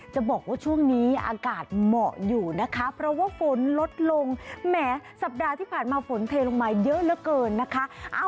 จะบอกว่าช่วงนี้อากาศเหมาะอยู่นะคะเพราะว่าฝนลดลงแหมสัปดาห์ที่ผ่านมาฝนเทลงมาเยอะเหลือเกินนะคะ